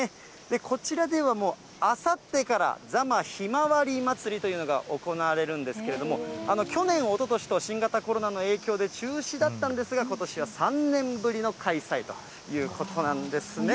こちらではあさってから、ざまひまわりまつりというのが行われるんですけれども、去年、おととしと新型コロナの影響で中止だったんですが、ことしは３年ぶりの開催ということなんですね。